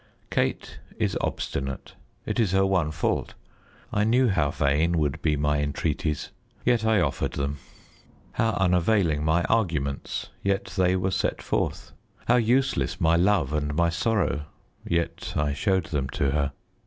Kate is obstinate; it is her one fault; I knew how vain would be my entreaties, yet I offered them; how unavailing my arguments, yet they were set forth; how useless my love and my sorrow, yet I showed them to her.